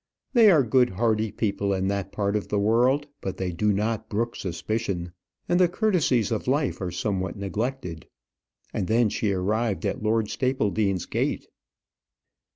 They are good hearty people in that part of the world; but they do not brook suspicion, and the courtesies of life are somewhat neglected. And then she arrived at Lord Stapledean's gate.